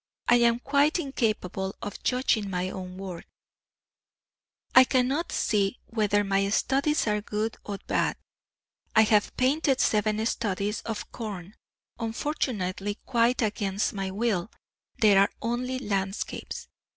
I am quite incapable of judging my own work; I cannot see whether my studies are good or bad. I have painted seven studies of corn; unfortunately, quite against my will, they are only landscapes.